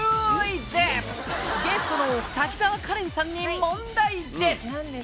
「ゲストの滝沢カレンさんに問題です」